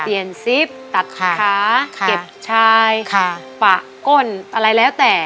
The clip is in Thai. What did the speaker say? ซิปตัดขาเก็บชายปะก้นอะไรแล้วแต่